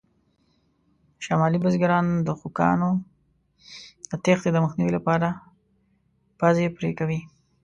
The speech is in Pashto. شمالي بزګران د خوکانو د تېښتې د مخنیوي لپاره پزې پرې کوي.